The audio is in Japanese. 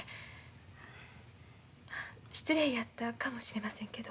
失礼やったかもしれませんけど。